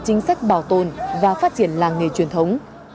chính sách bảo tồn và phát triển làng nghề truyền thống